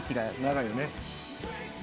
長いよね。